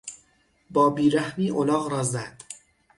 با بیرحمی الاغ را زد.